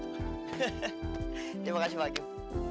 hehehe terima kasih pak kim